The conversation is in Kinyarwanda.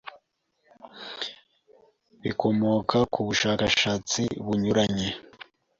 bikomoka ku bushakashatsi bunyuranye,